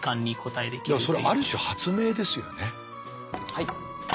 はい。